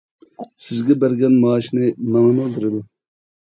— سىزگە بەرگەن مائاشنى ماڭىمۇ بېرىدۇ.